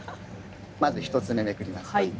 まず１つ目めくります。